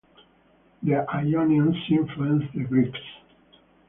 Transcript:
The Ionians influenced the Greeks.